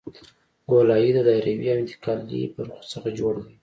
ګولایي د دایروي او انتقالي برخو څخه جوړه ده